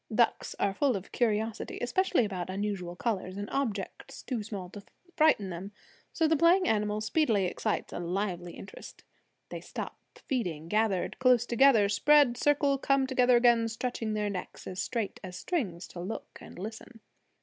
Ducks are full of curiosity, especially about unusual colors and objects too small to frighten them; so the playing animal speedily excites a lively interest. They stop feeding, gather close together, spread, circle, come together again, stretching their necks as straight as strings to look and listen.